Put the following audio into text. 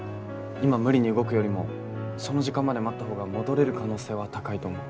今無理に動くよりもその時間まで待った方が戻れる可能性は高いと思う。